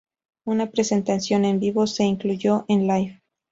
Una presentación en vivo se incluyó en "Live".